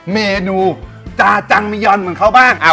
วันนี้ก็เลยอยากจะทาน